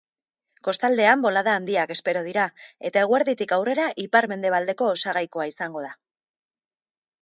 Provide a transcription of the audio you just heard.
Kostaldean bolada handiak espero dira, eta eguerditik aurrera ipar-mendebaldeko osagaikoa izango da.